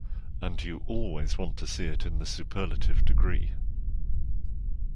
And you always want to see it in the superlative degree.